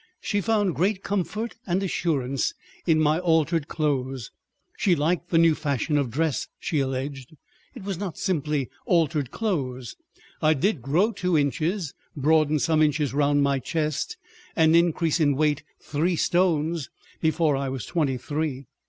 She found great comfort and assurance in my altered clothes—she liked the new fashions of dress, she alleged. It was not simply altered clothes. I did grow two inches, broaden some inches round my chest, and increase in weight three stones before I was twenty three.